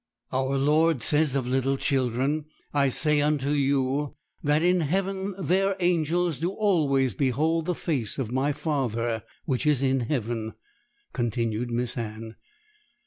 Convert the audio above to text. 'Our Lord says of little children, "I say unto you, That in heaven their angels do always behold the face of my Father which is in heaven,"' continued Miss Anne.